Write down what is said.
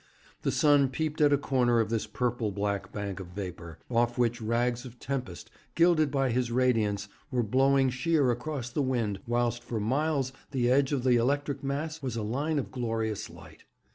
The sun peeped at a corner of this purple black bank of vapour, off which rags of tempest, gilded by his radiance, were blowing sheer across the wind, whilst for miles the edge of the electric mass was a line of glorious light.